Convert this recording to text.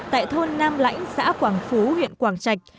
tại thôn nam lãnh xã quảng phú huyện quảng trạch